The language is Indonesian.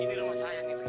ini rumah saya nih begitu